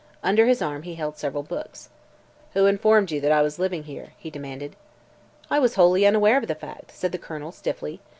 Under his arm he held several books. "Who informed you that I was living here?" he demanded. "I was wholly unaware of the fact," said the Colonel, stiffly.